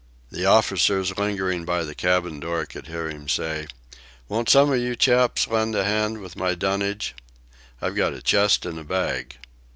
The officers lingering by the cabin door could hear him say: "Won't some of you chaps lend a hand with my dunnage? I've got a chest and a bag."